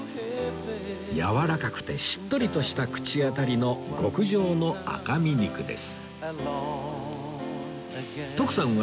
やわらかくてしっとりとした口当たりの極上の赤身肉です